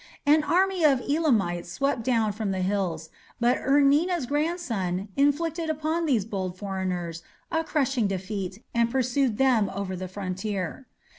An army of Elamites swept down from the hills, but Ur Nina's grandson inflicted upon these bold foreigners a crushing defeat and pursued them over the frontier.